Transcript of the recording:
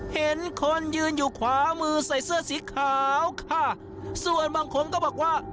เห็นคนยืนอยู่ขวามือใส่เสื้อสีขาวค่ะส่วนบางคนก็บอกว่า